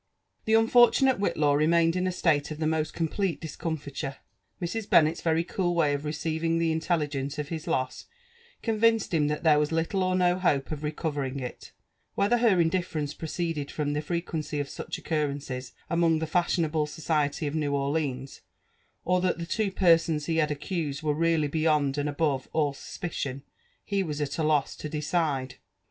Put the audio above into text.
The unfortunate Whitlaw remained in a stale of the meet eompleCe diKomfiUwe. Mrs. Benaet's very eool way oCreeeivhig Ibeldtelligeaee of his loss convinced him that there *was little or no hope of reeover ing it Wlielher her indiflbrenoe proceeded fiom the fluency of such oeeurrences among the fashionable society of New Oiieaas, or thai the two persons he had aeeused were vealiy beyond and above all siiapicaen, he was at a los^ to decide.